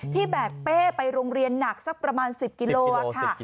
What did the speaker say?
แบกเป้ไปโรงเรียนหนักสักประมาณ๑๐กิโลค่ะ